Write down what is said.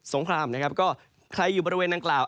งครามนะครับก็ใครอยู่บริเวณนางกล่าว